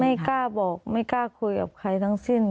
ไม่กล้าบอกไม่กล้าคุยกับใครทั้งสิ้น